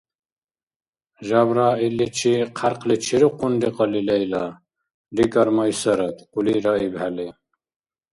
— ЖабрагӀилличи кьяркьли черухъунри кьалли, Лейла, — рикӀар Майсарат, хъули раибхӀели.